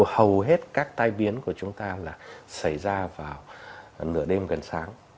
hầu hết các tai biến của chúng ta là xảy ra vào nửa đêm gần sáng